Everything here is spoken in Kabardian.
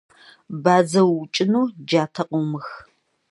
Бадзэ уукӏыну джатэ къыумых.